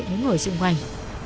những người xung quanh